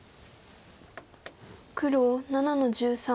黒７の十三。